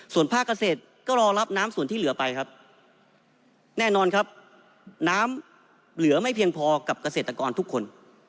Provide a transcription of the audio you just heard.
ส่วนภาคเกษตรก็รอรับน้ำส่วนที่เหลือไปครับแน่นอนครับน้ำเหลือไม่เพียงพอกับเกษตรกรทุกคน